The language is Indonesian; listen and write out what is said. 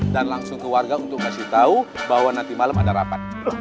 dan langsung ke warga untuk kasih tahu bahwa nanti malam ada rapat